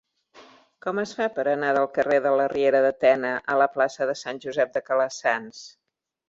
Com es fa per anar del carrer de la Riera de Tena a la plaça de Sant Josep de Calassanç?